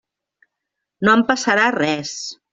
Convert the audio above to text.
No em passarà res.